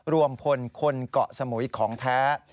รวมพลคนเกาะสมุยของแท้